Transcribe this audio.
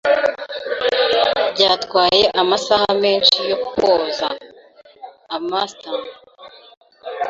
Byantwaye amasaha menshi yo kwoza. (Amastan)